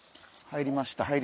入りましたよ。